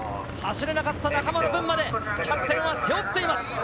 走れなかった仲間の分まで、キャプテンは背負っています。